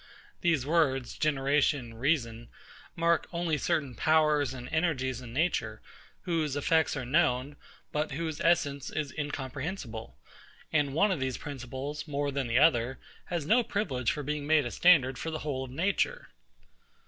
These words, generation, reason, mark only certain powers and energies in nature, whose effects are known, but whose essence is incomprehensible; and one of these principles, more than the other, has no privilege for being made a standard to the whole of nature.